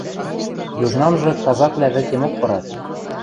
Южнамжы казаквлӓ вӹкемок пырат.